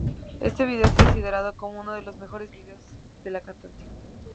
Este video es considerado como uno de los mejores videos de la cantante.